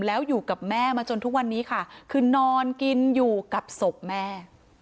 แล้วอยู่กับแม่มาจนทุกวันนี้ค่ะคือนอนกินอยู่กับศพแม่